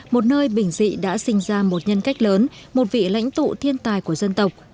một nơi bình dị đã sinh ra một nhân cách lớn một vị lãnh tụ thiên tài của dân tộc